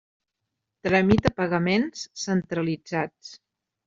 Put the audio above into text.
Tramita pagaments centralitzats.